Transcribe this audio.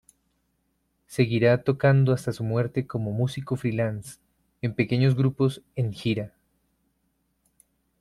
Seguirá tocando hasta su muerte como músico "free-lance" en pequeños grupos en gira.